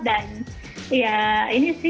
dan ya ini sangat menarik